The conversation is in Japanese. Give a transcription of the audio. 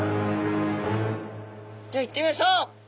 じゃいってみましょう！